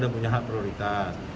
dan punya hak prioritas